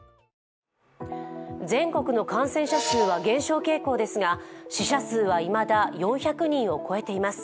全国の感染者数は減少傾向ですが死者数は、いまだ４００人を超えています。